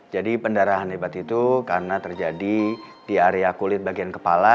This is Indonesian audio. jadi pendarahan lebat itu karena terjadi di area kulit bagian kepala